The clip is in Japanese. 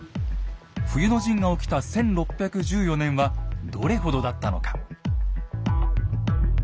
冬の陣が起きた１６１４年はどれほどだったのか。